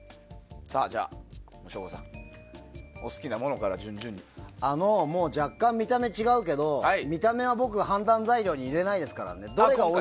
じゃあ省吾さん若干見た目は違うけど見た目は、僕判断材料に入れないですからね。